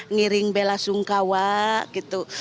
ngiring bela sungkawa gitu